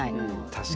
確かに。